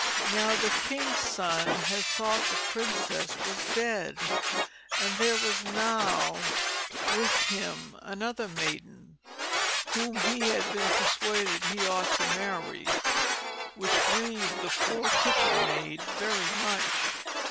Now the king's son had thought the princess was dead; and there was now with him another maiden, whom he had been persuaded he ought to marry, which grieved the poor kitchen maid very much.